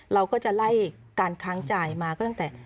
เราก็จะไล่การค้างจ่ายมาก็ตั้งแต่